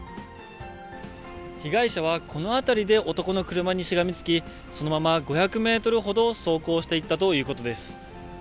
被害者はこの辺りで男の車にしがみつき、そのまま５００メートルほど走行していったということです。